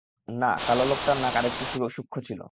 না, কালো লোকটার নাক আরেকটু সুক্ষ্ম ছিল।